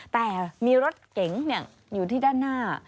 แต่มีรถเก๋งอยู่ที่ด้านหน้า